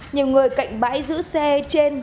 nhiều người cạnh bãi giữ xe trên